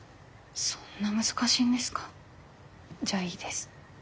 そんな難しいんですかじゃあいいです。